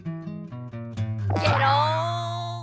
ゲローン。